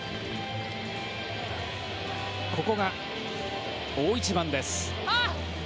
ここが大一番です。